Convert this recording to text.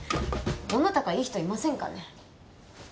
どなたかいい人いませんかね？